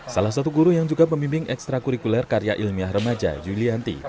salah satu guru yang juga pemimbing ekstra kurikuler karya ilmiah remaja julianti